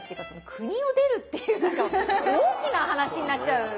国を出るっていう何か大きな話になっちゃう。